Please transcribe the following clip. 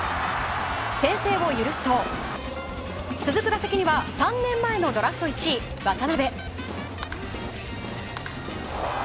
先制を許すと、続く打席には３年前のドラフト１位、渡部。